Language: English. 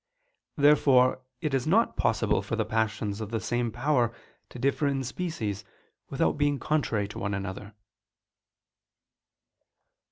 Therefore it is not possible for passions of the same power to differ in species, without being contrary to one another.